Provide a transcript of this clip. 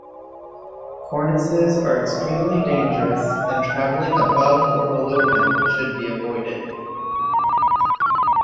Cornices are extremely dangerous and travelling above or below them should be avoided.